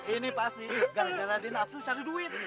ini pasti gara gara di nafsu cari duit